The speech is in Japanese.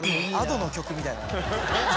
Ａｄｏの曲みたいだな。